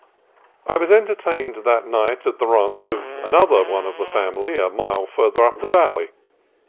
I was entertained that night at the ranch of another one of the family, a mile farther up the valley.